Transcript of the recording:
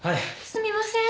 すみません。